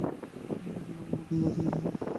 দেহের বিভিন্ন অঙ্গপ্রত্যঙ্গও অকার্যকর হয়ে পড়ছে।